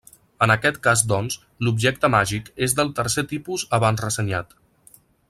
En aquest cas doncs, l'objecte màgic és del tercer tipus abans ressenyat.